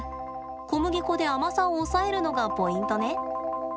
小麦粉で甘さを抑えるのがポイントね。